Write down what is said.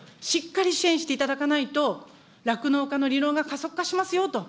しっかり支援していただかないと、酪農家の離農が加速化しますよと。